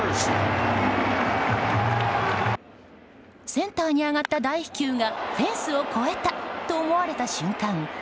センターに上がった大飛球がフェンスを越えたと思われた瞬間